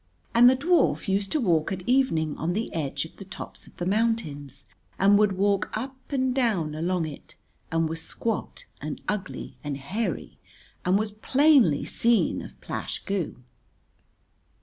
And the dwarf used to walk at evening on the edge of the tops of the mountains, and would walk up and down along it, and was squat and ugly and hairy, and was plainly seen of Plash Goo.